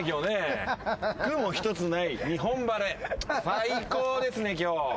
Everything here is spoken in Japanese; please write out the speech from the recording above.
最高ですね今日。